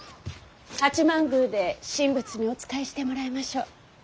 八幡宮で神仏にお仕えしてもらいましょう。